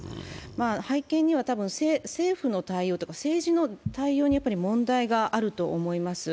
背景には多分、政府の対応とか政治の対応に問題があると思います。